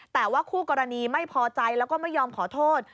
แต่ว่าคู่กรณีไม่พอใจแล้วก็ไม่ยอมขอโทษ